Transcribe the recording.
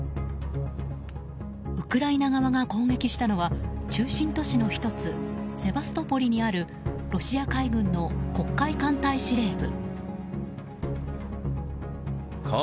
ウクライナ側が攻撃したのは中心都市の１つセバストポリにあるロシア海軍の黒海艦隊司令部。